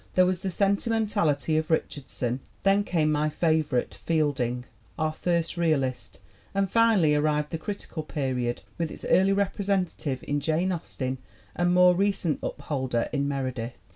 There was the sentimentality of Richardson; then came my fa vorite, Fielding, our first realist; and finally arrived the critical period with its early representative in Jane Austen and more recent upholder in Meredith.